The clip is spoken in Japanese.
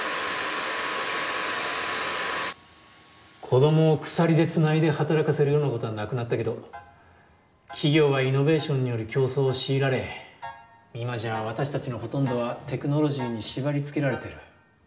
・子供を鎖でつないで働かせるようなことはなくなったけど企業はイノベーションによる競争を強いられ今じゃ私たちのほとんどはテクノロジーに縛りつけられている。